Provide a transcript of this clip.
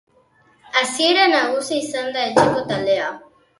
Hasieran nagusi izan da etxeko taldea.